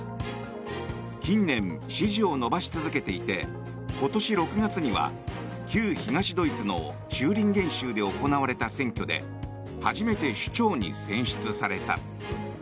近年、支持を伸ばし続けていて今年６月には旧東ドイツのチューリンゲン州で行われた選挙で初めて首長に選出された。